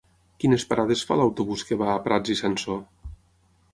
Quines parades fa l'autobús que va a Prats i Sansor?